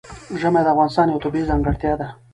ژمی د افغانستان یوه طبیعي ځانګړتیا ده.